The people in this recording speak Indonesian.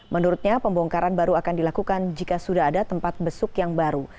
menurutnya pembongkaran baru akan dilakukan jika sudah ada tempat besuk yang baru